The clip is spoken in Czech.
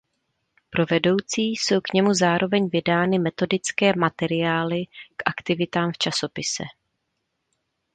Pro vedoucí jsou k němu zároveň vydávány metodické materiály k aktivitám v časopise.